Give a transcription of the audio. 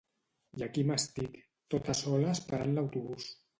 I aquí m'estic, tota sola esperant l'autobús